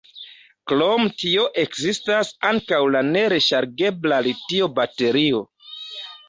Krom tio ekzistas ankaŭ la ne-reŝargebla litio-baterio.